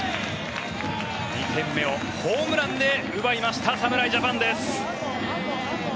２点目をホームランで奪いました侍ジャパンです。